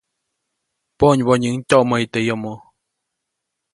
Ponybonyiʼuŋ tyoʼmäyu teʼ yomo.